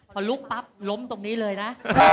พอลุกปั๊บล้มตรงนี้เลยนะ